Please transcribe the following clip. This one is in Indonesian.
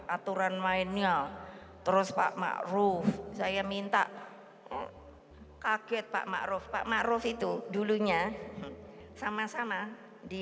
aturan mainnya terus pak ma'ruf saya minta kaget pak ma'ruf pak ma'ruf itu dulunya sama sama di